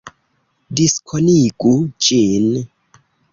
Diskonigu ĝin!